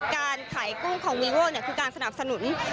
การขายกุ้งของวีโง่คือการสนับสนุน